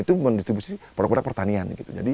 itu bukan distribusi produk produk pertanian